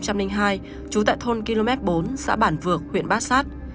trú tại thôn km bốn xã bản vược huyện bát sát